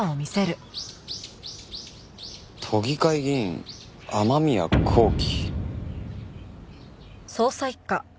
「都議会議員雨宮こうき」